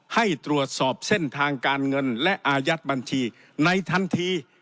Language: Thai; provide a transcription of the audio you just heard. ให้ตรวจสอบเส้นทางการเงินและอายัดบัญชีในทันที